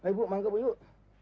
ibu mangkup yuk